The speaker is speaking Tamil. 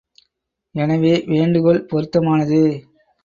எனவே, வேண்டுகோள் பொருத்தமானதே.